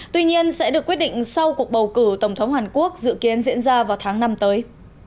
tuy nhiên sẽ được quyết định sau cuộc bầu cử tổng thống hàn quốc dự kiến diễn ra vào tháng năm tới